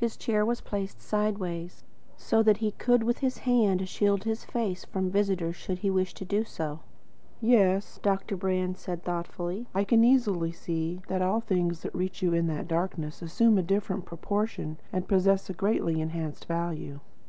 His chair was placed sideways, so that he could, with his hand, shield his face from his visitor should he wish to do so. "Yes," Dr. Brand was saying thoughtfully, "I can easily see that all things which reach you in that darkness assume a different proportion and possess a greatly enhanced value.